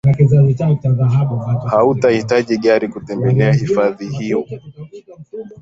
hautahitaji gari katika kutembelea hifadhi hiyo